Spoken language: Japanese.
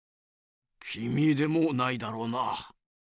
きみでもないだろうな。